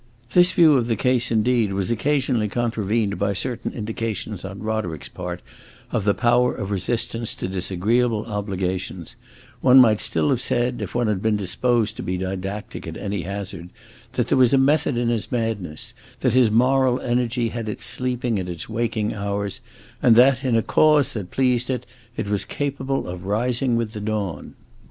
This view of the case indeed was occasionally contravened by certain indications on Roderick's part of the power of resistance to disagreeable obligations: one might still have said, if one had been disposed to be didactic at any hazard, that there was a method in his madness, that his moral energy had its sleeping and its waking hours, and that, in a cause that pleased it, it was capable of rising with the dawn.